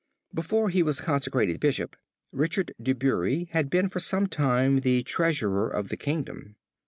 Before he was consecrated Bishop, Richard De Bury had been for some time the treasurer of the kingdom.